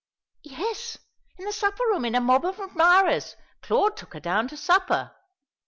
"Yes, in the supper room, in a mob of admirers. Claude took her down to supper."